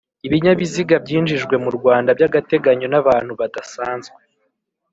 ibinyabiziga byinjijwe mu Rwanda by'agateganyo n'abantu badasanzwe